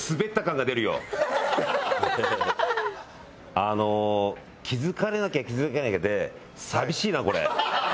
あの気付かれなきゃ気付かれないで寂しいなこれ。